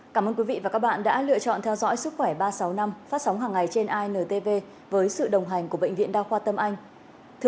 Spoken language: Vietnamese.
cảm ơn quý vị và các bạn đã lựa chọn theo dõi sức khỏe ba trăm sáu mươi năm phát sóng hàng ngày trên intv với sự đồng hành của bệnh viện đa khoa tâm anh